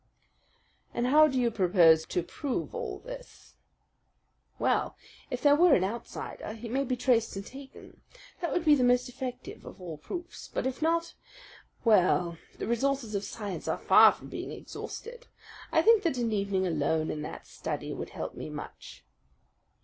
"And how do you propose to prove all this?" "Well, if there were an outsider, he may be traced and taken. That would be the most effective of all proofs. But if not well, the resources of science are far from being exhausted. I think that an evening alone in that study would help me much."